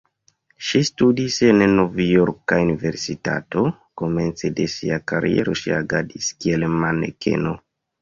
Ŝi studis en la Novjorka Universitato, komence de sia kariero ŝi agadis kiel manekeno.